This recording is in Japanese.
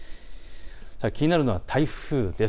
気になるのは台風です。